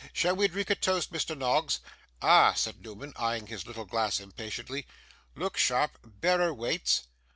Shall we drink a toast, Mr. Noggs?' 'Ah!' said Newman, eyeing his little glass impatiently. 'Look sharp. Bearer waits.